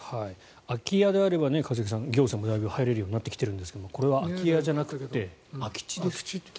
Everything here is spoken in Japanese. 空き家であれば一茂さん行政も入れるようになってきているんですがこれは空き家じゃなくて空き地ですと。